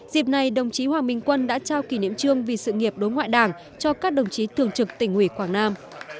dịp này đồng chí hoàng minh quân đã trao kỷ niệm trương vì sự nghiệp đối ngoại đảng cho các đồng chí thường trực tỉnh ủy quảng nam